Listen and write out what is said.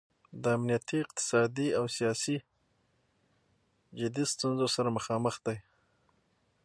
د امنیتي، اقتصادي او سیاسي جدي ستونځو سره مخامخ دی.